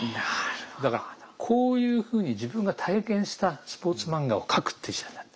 だからこういうふうに自分が体験したスポーツ漫画を描くっていう時代になった。